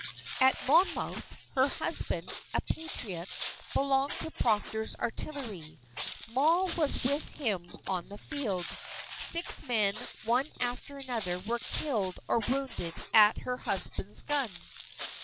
At Monmouth, her husband, a Patriot, belonged to Proctor's artillery. Moll was with him on the field. Six men, one after another, were killed or wounded at her husband's gun.